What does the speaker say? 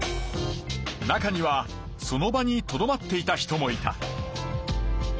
中にはその場にとどまっていた人もいた。